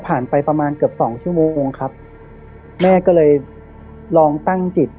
ไปประมาณเกือบสองชั่วโมงเองครับแม่ก็เลยลองตั้งจิต